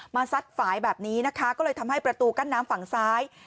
ซัดฝ่ายแบบนี้นะคะก็เลยทำให้ประตูกั้นน้ำฝั่งซ้าย